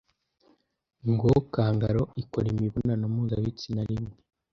Ngo Kangaroo ikora imibonano mpuzabitsina rimwe